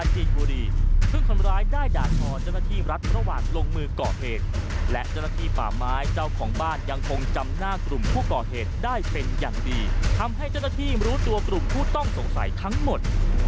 ทำให้เจ้าหน้าที่รู้ตัวกลุ่มคู่ต้องสงสัยทั้งหมด